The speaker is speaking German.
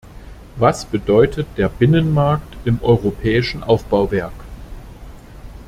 Was bedeutet der Binnenmarkt im europäischen Aufbauwerk?